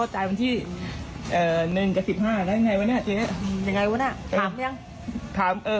ถ้าใจเราอยากได้ยังไง